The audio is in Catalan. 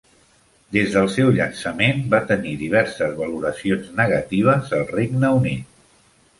Des del seu llançament, va tenir diverses valoracions negatives al Regne Unit.